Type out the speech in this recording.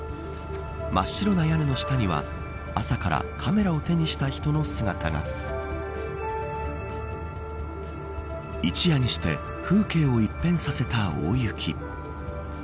真っ白な屋根の下には朝からカメラを手にした人の姿が一夜にして風景を一変させた大雪。